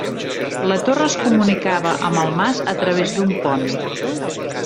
La torre es comunicava amb el mas a través d'un pont.